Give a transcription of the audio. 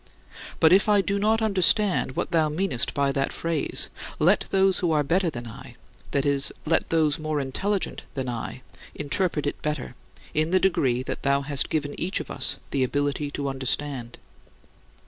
But if I do not understand what thou meanest by that phrase, let those who are better than I that is, those more intelligent than I interpret it better, in the degree that thou hast given each of us the ability to understand.